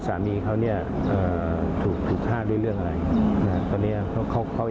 จะธรรมไทยก็ขายไปนะครับแล้วส่วนเอลสินทรียงเชี่ยวจากราชน์โรงประกัน